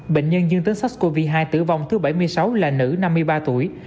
bệnh nhân dương tính sars cov hai tử vong thứ bảy mươi sáu là nữ năm mươi ba tuổi